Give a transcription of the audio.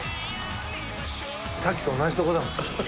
さっきと同じとこだもん。